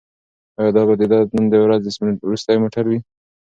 ایا دا به د ده د نن ورځې وروستی موټر وي؟